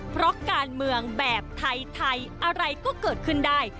เพราะการเมืองแบบไทยอะไรก็เกิดขึ้นได้